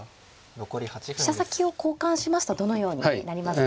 飛車先を交換しますとどのようになりますか。